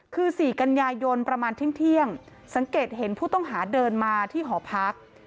คือ๔กันยายนประมาณเที่ยงสังเกตเห็นผู้ต้องหาเดินมาที่หอพัก